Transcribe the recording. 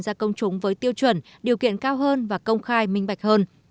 ra công chúng với tiêu chuẩn điều kiện cao hơn và công khai minh bạch hơn